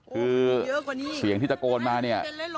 คือเสียงที่ตะโกนมาเนี่ย